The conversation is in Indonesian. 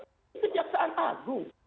itu kejaksaan agung